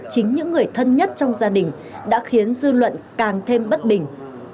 chính những người thân nhất trong gia đình đã khiến dư luận càng thêm bất bình